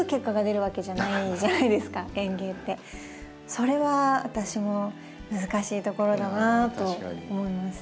それは私も難しいところだなと思います。